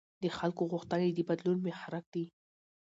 د خلکو غوښتنې د بدلون محرک دي